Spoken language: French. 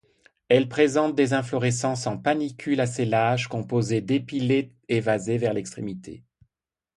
Elle présente des inflorescences en panicules assez lâches composés d'épillets évasés vers l'extrémité.